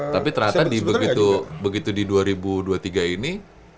tapi ternyata begitu di dua ribu dua puluh tiga ini